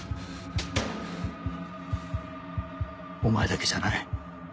お前だけじゃない。